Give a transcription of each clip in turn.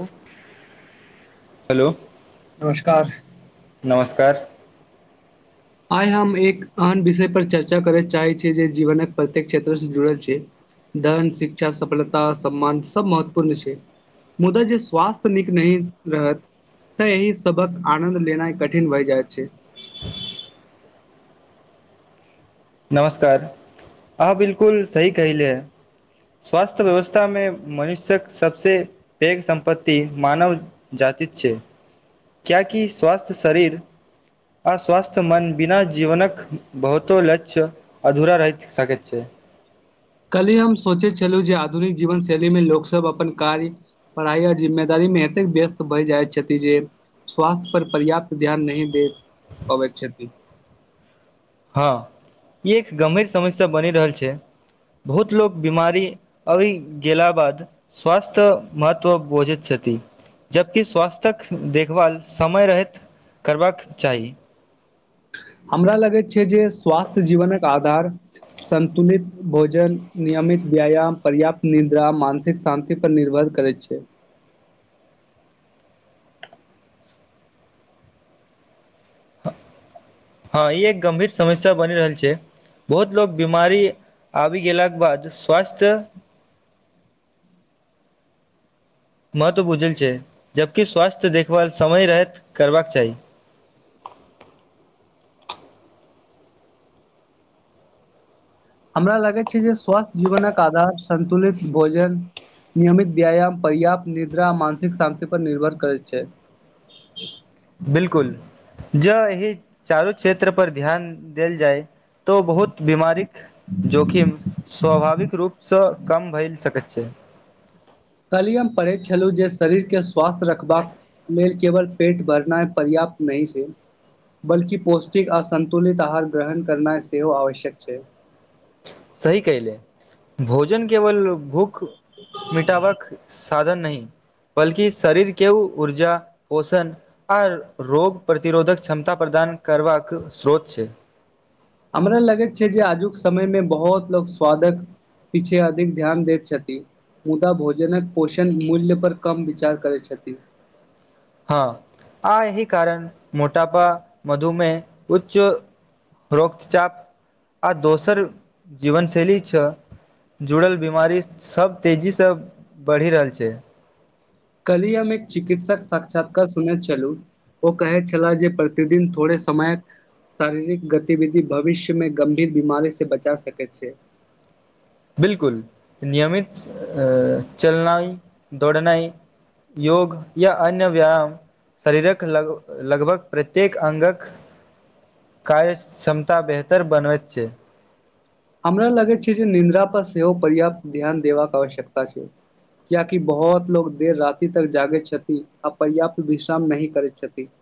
ह हेलो नमस्कार नमस्कार आइ हम एक एहन विषय पर चर्चा करय चाहैत छी जे जीवनक प्रत्येक क्षेत्रसँ जुड़ल छै धन शिक्षा सफलता सम्मान सब महत्वपूर्ण छै मुदा जे स्वास्थ्य नीक नहि रहत तऽ अही सबक आनन्द लेनाइ कठिन भइ जाइत छै नमस्कार आहा बिलकुल सही कहिले है स्वास्थ्य व्यवस्था मे मनुष्यक सबसे पैघ सम्पत्ति मानव जाति छै किया कि स्वस्थ्य शरीर अस्वस्थ्य मन बिना जीवनक बहुतो ल किछु अधूरा रहित सकैत छै कल्हि हम सोचैत छलहुँ जे आधुनिक जीवनशैलीमे लोकसभ अपन कार्य पढ़ाई आ जिम्मेदारी ईमे एतेक व्यस्त भई जाइत छथि जे स्वास्थ्य पर पर्याप्त ध्यान नहि दे अपेक्षेति हँ ई एक गम्भीर समस्या बनि रहल छै बहुत लोग बीमारी आबि गेला बाद स्वास्थ्य महत्व बुझैत छत ठीक जबकि स्वास्थक देखभाल समय रहैत करबाक चाही हमरा लगैत छै जे स्वास्थ्य जीवनक आधार संतुलित भोजन नि नियमित व्यायाम पर्याप्त निद्रा मानसिक शान्ति पर निर्भर करै छै [inaudible] [inaudible] हँ ई एक गंभीर समस्या बनि रहल छै बहुत लोक बिमारी आबि गेलाके बाद स्वास्थ्य हँ महत्व बूझल छै जबकि स्वास्थ्य देखभाल समय रहैत करबाक चाही [inaudible] हमरा लागत छै जे स्वास्थ्य जीवनक आधार संन्तुलित भोजन नियमित व्यायाम पर्याप्त निद्रा मानसिक शान्ति पर निर्भर करै छै बिलकुल ज एहि चारू क्षेत्र पर ध्यान देल जाय तो बहुत बीमारीक जोखिम स्वाभाविक रूप सँ कम भएल सकैत छै कलिय हम पढ़ैत छलहु जे शरीरके स्वास्थ रखबाक मे केवल पेट भरनाई पर्याप्त नई छै बल्कि पौष्टिक आ सन्तुलित आहार ग्रहण करनाई सेहो आवश्यक छै सही कहिले भोजन केवल भूख मिटावक साधन नहि बल्कि शरीर केऊ ऊर्जा पोषण आ रोग प्रतिरोधक क्षमता प्रदान न करवक स्रोत छै हमरा लगैत छै जे आजुक समय मे बहुत लोग स्वादक पीछे अधिक ध्यान दैत छथि मुदा भोजनक पोषण मूल्य पर कम विचार करै छथि हँ आ एहि कारण मोटापा मधुमेह उच्च रोक्तचाप आ दोसर जीवन शैली छ जुड़ल बमारी सब तेजीसँ बढ़ि रहल छै कलहि हम एक चिकित्सक साक्षात्कार सुनैत छैलू ओ कहैत छलाह जे प्रतिदिन थोड़े समय शारीरिक गतिविधि भविष्य मे गंभीर बीमारी से बचा सकैत छै बिलकुल नियमित अ चलनाइ दौड़नाइ योग या अन्य व्यायाम शरीरक लग लगभग प्रत्येक अङ्गक कार्य क्षमता बेहतर बनवइत छै हमरा लागेत छै जे निद्रा पर सेहो पर्याप्त ध्यान देबाक आवश्यकता छै कियाकि बहुत लोग देर राति तक जागे छथि आ पर्याप्त विश्राम नहि करैत छथि [inaudible]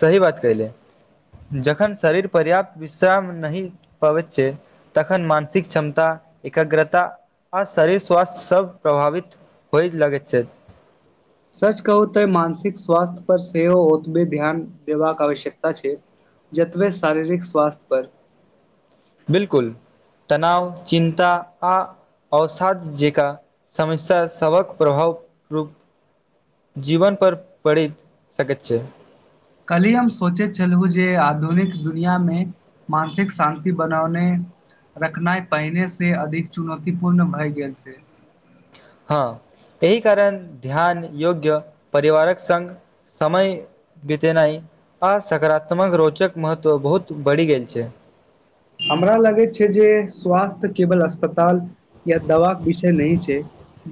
सही बात कईले जखन शरीर पर्याप्त विश्राम नहि पबैत छै तखन मानसिक क्षमता एकग्रता आ शरीर स्वास्थ्य सब प्रभावित होय लागैत छै सच कहू तऽ मनसिक स्वस्थ्य पर सेहो उतबे ध्यान देबाक आवश्यकता छै जेतबे शारीरिक स्वास्थ्य पर बिलकुल तनाव चिन्ता आ औसध जका समस्या सभक प्रभाव रूप जीवन पर पड़ि सकैत छै कली हम सोचे छललू जे आधुनिक दुनिया मे मानसिक शान्ति बनेने रखनाइ पहिने सँ अधिक चुनौतीपूर्ण भए गेल छै हँ एहि कारण ध्यान योग्य परिवारक संग समय बतेनाइ आ सकारात्मक रोचक महत्व बहुत बढ़ि गेल छै हमरा लगैत छै जे स्वास्थ्य केवल अस्पताल या दवाक विषय नहि छै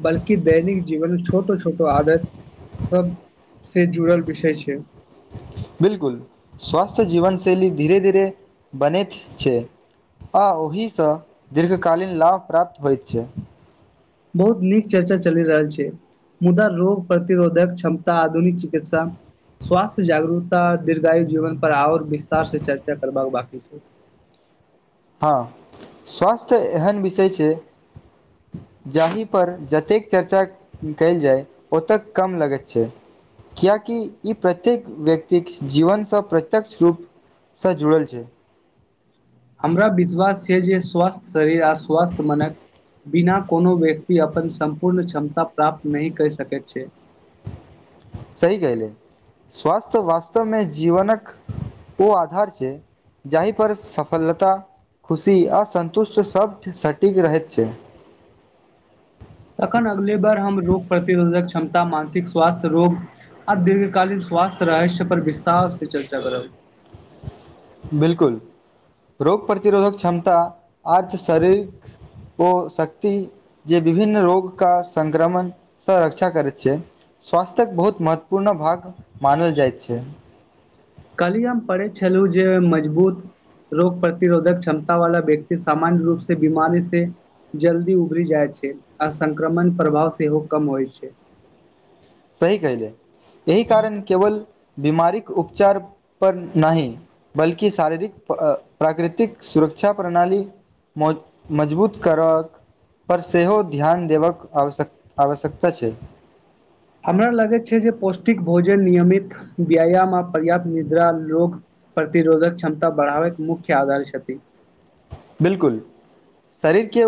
बल्कि दैनिक जीवन छोटो छोटो आदत सब सँ जुड़ल विषय छै बिलकुल स्वस्थ्य जीवनशैली धीरे धीर बने छै आ ओहि सँ दीर्घकालीन लाभ प्राप्त होइत छै बहुत नीक चर्चा चलि रहल छै मुदा रोग प्रतिरोधक क्षमता आधुनिक चिकित्सा स्वास्थ्य जागरूकता दीर्घायु जीवन पर आओर विस्तार से चर्चा करबाक बाकी छै [inaudible] हँ स्वास्थ्य एहन विषय छै जाहि पर जतेक चर्चा कयल जाय ओतेक कम लगैत छै कियकि ई प्रत्येक व्यक्तिक जीवन सँ प्रत्यक्ष रूप स जुड़ल छै हमरा विश्वास छै जे स्वस्थ शरीर आ स्वास्थ मनक बिना कोनो व्यक्ति अपन सम्पूर्ण क्षमता प्राप्त नहि क सकैत छै [inaudible] सही कहिले स्वस्थ वास्तवमे जीवनक ओ आधार छै जहि पर सफलता खुशी असन्तुष्ट सभ सटीक रहैत छै तखन अगले बार हम रोग प्रतिरोधक क्षमता मानसिक स्वास्थ्य रोग आ दीर्घकालीन स्वास्थ्य रहस्य पर विस्तार से चर्चा करब बिलकुल रोग प्रतिरोधक क्षमता आर्थ शारीरिक ओ शक्ति जे विभिन्न रोग क संक्रमण सँ रक्षा करैत छै स्वास्थ्यक बहुत महत्वपूर्ण भाग मानल जाइत छै कहली हम पढ़ैत छलहुँ जे मजबूत रोग प्रतिरोधक क्षमता वाला व्यक्ति सामान्य रूप से बीमारी से जल्दी उभरी जाइ छै आ संक्रमण प्रभाव सेहोहो कम होइ छै सही कहिले एहि कारण केवल बीमारीक के उपचार पर नहि बल्कि शारीरिक प्राकृतिक सुरक्षा शिक्षा प्रणाली मजबूत करक पर सेहो ध्यान देबाक आवश्यकता छै हमरा लागे छै जे पौष्टिक भोजन नियमित व्यायाम आ पर्याप्त निद्रा रोग पर प्रतिरोधक क्षमता बढ़ावैतके मुख्य आधारशति बिलकुल शरीर के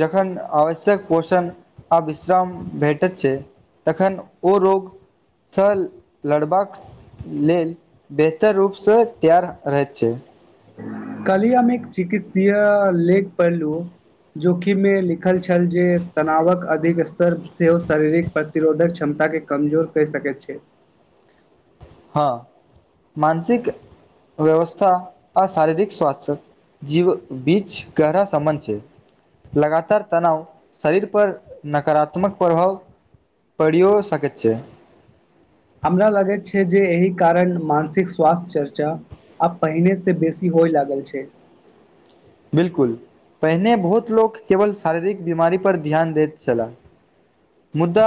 जखन आवश्यक पोषण आ विश्राम भेटैत छै तखन ओ रोगसँ लड़बाक लन बेहतर रूपसँ तैार रह छै कल अमे एक चिकित्सीय लेख पहिलू जोखिममे लिखल छल जे तनावक अधिक स्तर सेहो शारीरिक प्रतिरोधक क्षमता के कमजोर कहि सकय छै मानसिक व्यवस्था आ शारीरिक स्वस्थ्य जीव बीच गहरा संबंध छय लगातार तनाव शरीर पर नकारात्मक प्रभाव पढ़ियओ सकैत छै हमरा लगैत छै जे एहि कारण मानसिक स्वास्थ्य चर्चा आब पहिने से बेसी होइ लागल छै बिल्कुल पहिने बहुत लोक केवल शारीरिक बीमारी पर ध्यान दैत छलह मुद्दा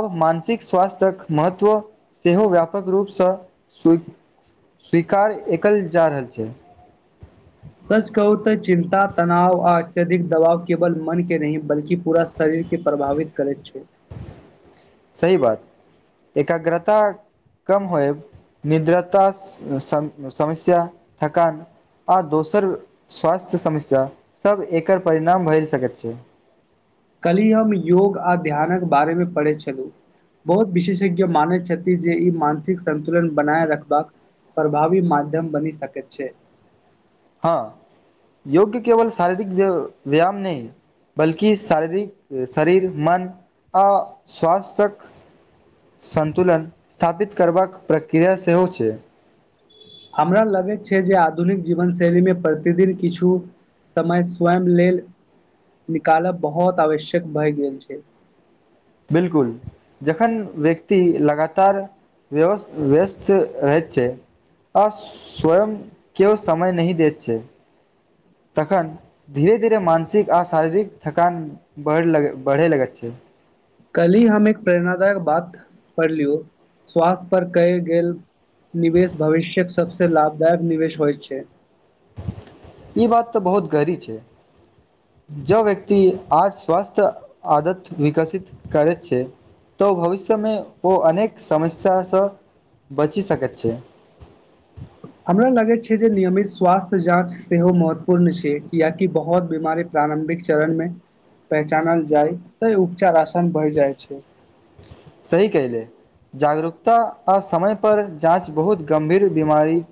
अब मानसिक स्वास्थ्यक महत्व सेहो व्यापक रूपसँ स्वीक स्वीकार एकल जा रहल छै सच कहू तऽ चिन्ता तनाव आ अत्यधिक दबाव केवल मन के नहि बल्कि पूरा शरीर के प्रभावित करैत छै सही बात एकाग्रता कम होय निद्रता समस्या थकान आ दोसर स्वास्थ्य समस्या सब एकर परिणाम भैर सकैत छै कलहि हम योग आ ध्यानक बारेमे पढ़ै छलहुँ बहुत विशेषज्ञ मानैत छथि जे ई मानसिक संन्तुलन बनाय रखबाक प्रभावी माध्यम बनि सक छै हँ योग्य केवल शारीरिक व्यायाम नहि बल्कि शारीरिक शरीर मन आ स्वासक संतुलन स्थापित करबाक प्रक्रिया सेहो छै हमरा लगैत छय जे आधुनिक जीवन शैलीमे प्रतिदिन किछु समय स्वयं लेल निकालब बहुत आवश्यक भए गेल छै बिलकुल जखन व्यक्ति लगातार व्यस् व्यस््त रहै छै आ स्वयं केव समय नही देत छै तखन धीरे धीरे मानसिक आ शारीरिक थकान बढ़े लग छै ह कली हम एक प्रेरणादायक बात पढ़लियौ स्वास्थ पर कय गेल निवेश भविष्य्यक सबस लाभदायक निवेश होइ छै ई बात तऽ बहुत गहरी छै ज व्यक्ति आ स्वस्थ्य आदत विकसित करै छै तऽ भविष्यमे ओ अनेक समस्यासँ बचि सकैत छै [inaudible] हमरा लगैत छै जे नियमित स्वास्थ्य जाँच सेहो महत्वपूर्ण छै कियाकि बहुत बीमारी प्रारम्भिक चरण मे पहचानल जाइ तऽ उपचार आसान भय जाइ छै सही कहि ले जागरूकता आ समय पर जाँच बहुत गं्भीर बीमारी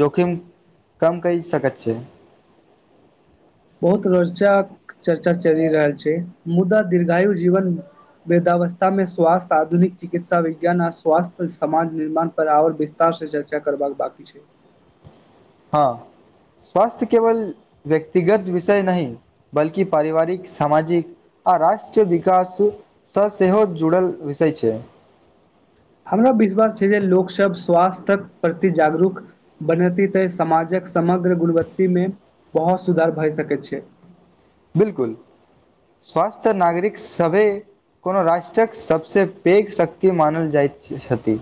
जोखिम कम कि सकैत छै बहुत रोचक चर्चा चलि रहल छै मुदा दीर्घायु जीवन वृद्धावस्था मे स्वास्थ आधुनिक चिकित्सा विज्ञान आ स्वास्थ्य समाज निर्माण पर आओर विस्तार से चर्चा करबाक बाकी छै हँ स्वास्थ्य केवल व्यक्तिगत विषय नहि बल्कि पारिवारिक सामाजिक आ राष्ट्र विकास स सेहोे जुड़ल विषय छै [inaudible] हमरा विश्वास छै जे लोकसभ स्वास्थ्यक प्रति जागरूक बनैत तऽ समाजक समग्र गुणवत्ती मे बहुत सुधार भए सकैत छै बिलकुल स्वस्थ नागरिक सभे कोनो राष्ट्रक सभ सँ पैघ शक्ति मानल जाइत छथि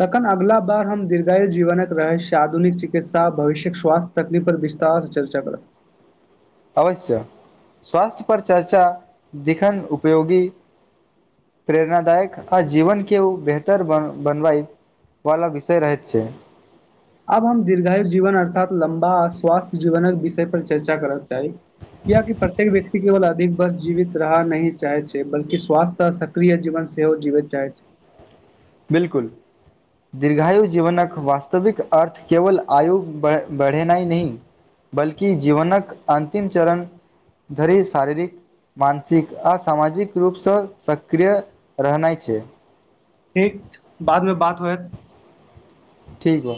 तखन अगिला बार हम दीर्घायु जीवनक रहस्य आधुनिकित्सा भविष्य्यक स्वास्थ्य तकलीफ विस्तार सँ चर्चा करब अवश्य स्वास्थ्य पर चर्चा दिखन उपयोगी प्रेरणदायक आ जीवन केव बेहतर बनवइ वाला विषय रहैत छै आब हम दीर्घायु जीवन अर्थात लम्बा आ स्वास्थ्य जीवनक विषय पर चर्चा करक चाही कियि प्रत्येक व्यक्ति केवल अधिक बस जीवित रहना नहि चाहै छै बल्ि स्वास्थ्य आ सक्रिय जीवन से सेहो जीवित जाइत बिलकुल दीर्घायु जीवनकक वास्तविक अर्थ केवल आयु बढ़ेनाइ नहि बल्कि जीवनक अंतिम चरण धरि शारीरिक मानसिक आ सामाजिक रूप सँ सक्रिय रहनाइ छै ठीक बादमे बात होयत ठीक बा